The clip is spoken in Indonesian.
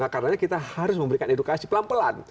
karena kita harus memberikan edukasi pelan pelan